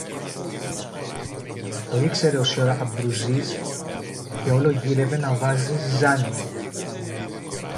Το ήξερε ο σιορ-Αμπρουζής και όλο γύρευε να βάζει ζιζάνια.